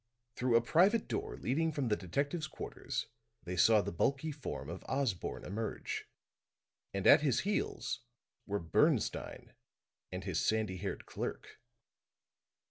Through a private door leading from the detectives' quarters they saw the bulky form of Osborne emerge; and at his heels were Bernstine and his sandy haired clerk.